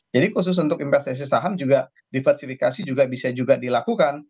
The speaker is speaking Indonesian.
jadi khusus untuk investasi saham juga diversifikasi juga bisa juga dilakukan